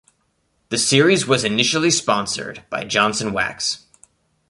The series was initially sponsored by Johnson Wax.